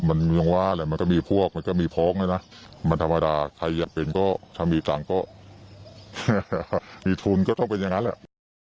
มันยังว่าแหละมันก็มีพวกมันก็มีโพ้งเลยนะมันธรรมดาใครอยากเป็นก็ถ้ามีตังค์ก็มีทุนก็ต้องเป็นอย่างนั้นแหละ